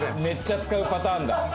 めっちゃ使うパターンだ。